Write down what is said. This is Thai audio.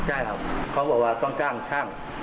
ใช่ครับเขาบอกว่าต้องจ้างช่าง